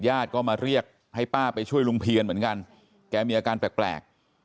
ญาติก็มาเรียกให้ป้าไปช่วยลุงเพียนเหมือนกันแกมีอาการแปลก